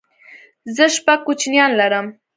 زه شپږ کوچنيان لرم